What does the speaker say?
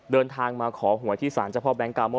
เดินทางมาขอหัวที่ศานเจ้าพ่อแบมค์กาโม่